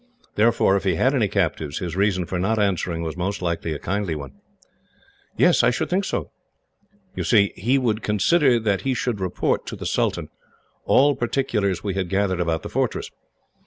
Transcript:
Therefore, if he had any captives, his reason for not answering was most likely a kindly one." "Yes, I should think so." "You see, he would consider that we should report, to the sultan, all particulars we had gathered about the fortress.